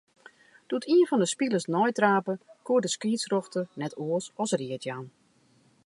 Doe't ien fan 'e spilers neitrape, koe de skiedsrjochter net oars as read jaan.